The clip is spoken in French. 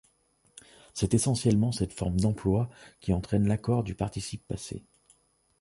C'est essentiellement cette forme d'emploi qui entraîne l'accord du participe passé.